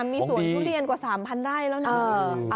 มีสวนทุเรียนกว่า๓๐๐ไร่แล้วนะ